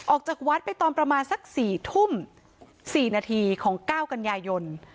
ออกจากวัดไปตอนประมาณสัก๔ทุ่ม๔นาทีของ๙กันยายน